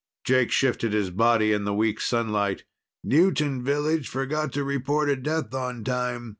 Jake shifted his body in the weak sunlight. "Newton village forgot to report a death on time.